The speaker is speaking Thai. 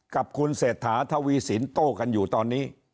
กับคุณเศรษฐาทวีสินโต้กันอยู่ตอนนี้